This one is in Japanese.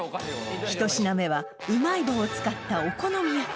１品目はうまい棒を使ったお好み焼き